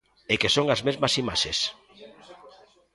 ¡E que son as mesmas imaxes!